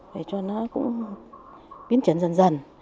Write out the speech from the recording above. để cho nó cũng biến chấn dần dần